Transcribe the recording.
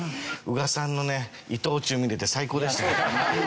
宇賀さんのね伊藤忠見れて最高でした。